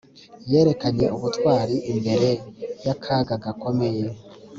Yerekanye ubutwari imbere yakaga gakomeye